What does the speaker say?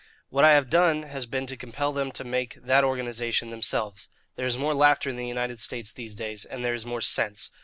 What I have done has been to compel them to make that organization themselves. There is more laughter in the United States these days, and there is more sense.